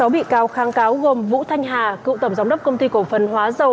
sáu bị cáo kháng cáo gồm vũ thanh hà cựu tổng giám đốc công ty cổ phần hóa dầu